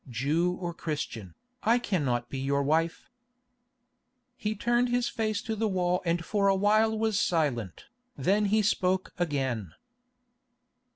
Jew or Christian, I cannot be your wife." He turned his face to the wall and for a while was silent. Then he spoke again.